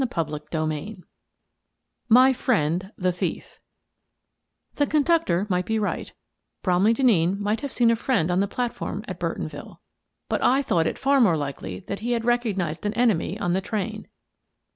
CHAPTER XXIIL MY FRIEND, THE THIEF The conductor might be right, — Bromley Den neen might have seen a friend on the platform at Burtonville, — but I thought it far more likely that he had recognized an enemy on the train.